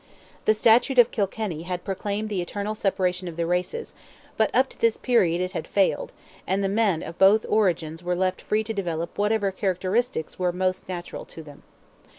The "Statute of Kilkenny" had proclaimed the eternal separation of the races, but up to this period it had failed, and the men of both origins were left free to develop whatever characteristics were most natural to them.